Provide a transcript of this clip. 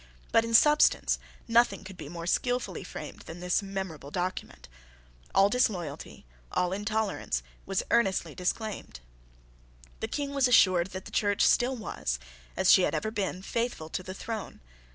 But in substance nothing could be more skilfully framed than this memorable document. All disloyalty, all intolerance, was earnestly disclaimed. The King was assured that the Church still was, as she had ever been, faithful to the throne.